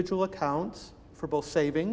dengan akun perubahan untuk uang